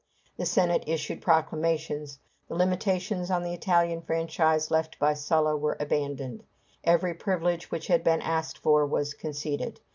The Senate issued proclamations. The limitations on the Italian franchise left by Sulla were abandoned. Every privilege which had been asked for was conceded.